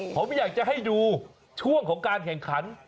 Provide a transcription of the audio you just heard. ผมอยากจะให้ดูช่วงของการแข่งขัน